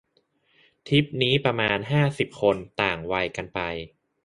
ทริปนี้มีประมาณ ห้าสิบ คน ต่างวัยกันไป